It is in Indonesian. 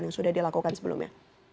yang sudah dilakukan sebelumnya